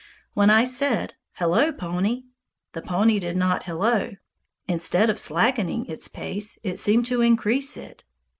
When I said, "Hello, pony," the pony did not hello. Instead of slackening its pace, it seemed to increase it.